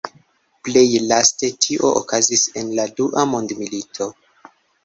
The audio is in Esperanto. Plej laste tio okazis en la Dua Mondmilito.